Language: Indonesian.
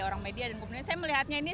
orang media dan kemudian saya melihatnya ini